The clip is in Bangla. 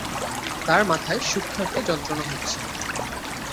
তার মাথায় সূক্ষ্ম একটা যন্ত্রণা হচ্ছে।